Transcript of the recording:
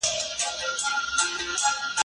زه کولای سم درسونه لوستل کړم.